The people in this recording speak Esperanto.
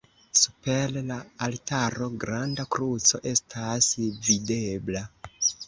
Super la altaro granda kruco estas videbla.